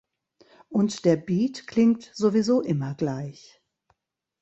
Und der Beat klingt sowieso immer gleich.